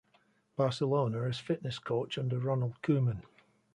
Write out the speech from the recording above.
Barcelona as fitness coach under Ronald Koeman.